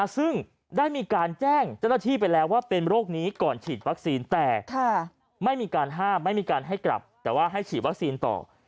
ซึ่งได้มีการแจ้งเจ้าหน้าที่ไปแล้วว่าเป็นโรคนี้ก่อนฉีดวัคซีนแต่ไม่มีการห้ามไม่มีการให้กลับแต่ว่าให้ฉีดวัคซีนต่อ